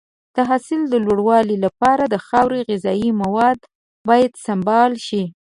د حاصل د لوړوالي لپاره د خاورې غذایي مواد باید سمبال شي.